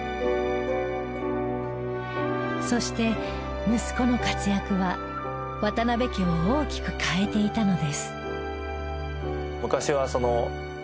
そして息子の活躍は渡邊家を大きく変えていたのです。